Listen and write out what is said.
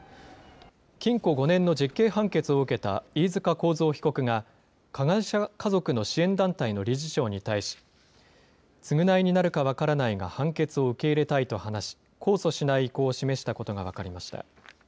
禁錮５年の実刑判決を受けた飯塚幸三被告が、加害者家族の支援団体の理事長に対し、償いになるか分からないが判決を受け入れたいと話し、控訴しない意向を示したことが分かりました。